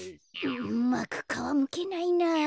うまくかわむけないな。